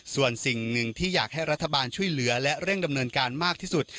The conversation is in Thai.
ส่วนสิ่งหนึ่งที่อยากให้รัฐบาลช่วยเหลือและเร่งดำเนินการมากที่สุด